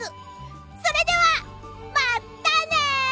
それでは、またね。